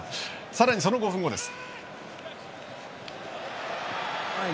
さらに、その５分後です。